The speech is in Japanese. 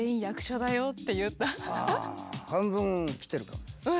半分きてるかも。